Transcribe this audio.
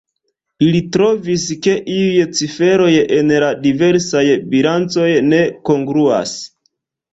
Ili trovis, ke iuj ciferoj en la diversaj bilancoj ne kongruas.